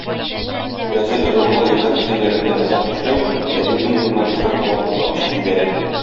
Газета-журнал редакцияләрендә озак эшләү әдипнең журналистлык талантын да ачып җибәрә.